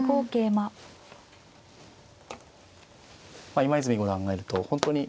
まあ今泉五段がいると本当に。